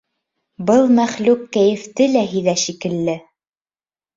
Был мәхлүк кәйефте лә һиҙә, шикелле.